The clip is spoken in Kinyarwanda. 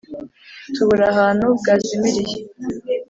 tubura ahantu bwazimiriye